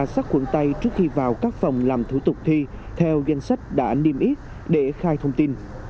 các quận tây trước khi vào các phòng làm thủ tục thi theo danh sách đã niêm yết để khai thông tin